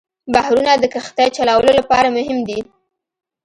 بحرونه د کښتۍ چلولو لپاره مهم دي.